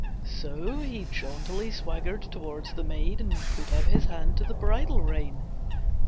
So he jauntily swaggered towards the maid And put out his hand to the bridle rein.